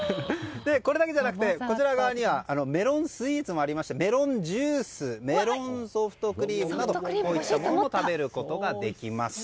これだけじゃなくてこちら側にはメロンスイーツもありましてメロンジュースメロンソフトクリームなども食べることができます。